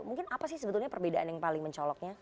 mungkin apa sih sebetulnya perbedaan yang paling mencoloknya